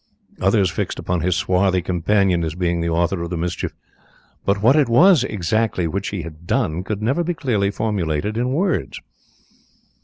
Others fixed upon his swarthy companion as being the author of the mischief, but what it was exactly which he had done could never be clearly formulated in words.